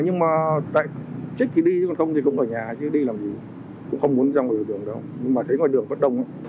nhưng mà thấy ngoài đường rất đông